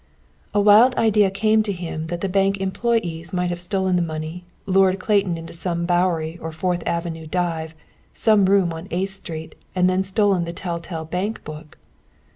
A wild idea came to him that the bank employees might have stolen the money, lured Clayton into some Bowery or Fourth Avenue dive, some room on Eighth Street, and then stolen the tell tale bank book.